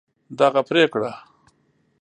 دغه پرېکړه